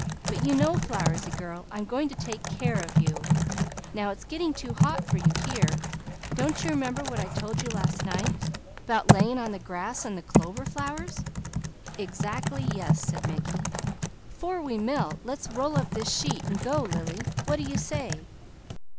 "But you know Flowersy girl, I'm going to take care of you. It's getting too hot for you. Don't you remember what I told you last night?" "'Bout laying on the grass an' the clover flowers?" "Exactly yes!" said Mickey. "'Fore we melt let's roll up in this sheet and go, Lily! What do you say?"